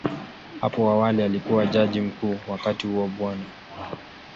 Hapo awali alikuwa Jaji Mkuu, wakati huo Bw.